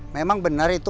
memang benar itu